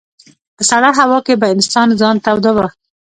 په سړه هوا کې به انسان ځان توداوه.